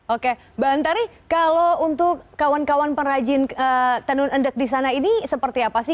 oke mbak antari kalau untuk kawan kawan perajin tenun endek di sana ini seperti apa sih